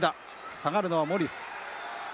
下がるのはモリス。